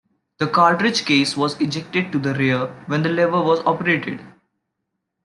The cartridge case was ejected to the rear when the lever was operated.